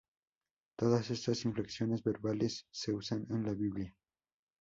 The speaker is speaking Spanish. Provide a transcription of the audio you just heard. Todas estas inflexiones verbales se usan en la Biblia.